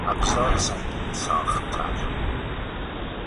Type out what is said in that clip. ابزار سنگین ساختتر